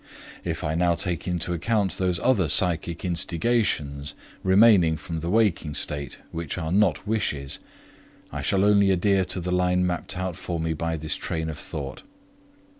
If I now take into account those other psychic instigations remaining from the waking state which are not wishes, I shall only adhere to the line mapped out for me by this train of thought.